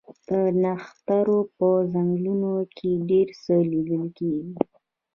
د نښترو په ځنګلونو کې ډیر څه لیدل کیږي